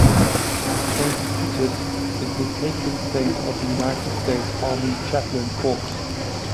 Saint Titus is the patron saint of the United States Army Chaplain Corps.